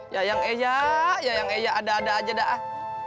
yayang eya yayang eya ada ada aja dah